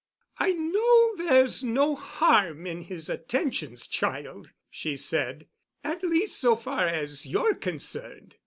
"I know there's no harm in his attentions, child," she said, "at least so far as you're concerned.